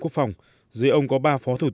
quốc phòng dưới ông có ba phó thủ tướng